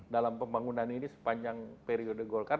dalam pembangunan ini sepanjang periode golkar